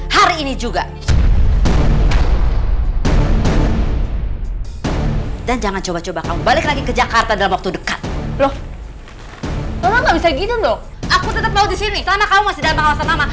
karena kamu masih dalam pengawasan mama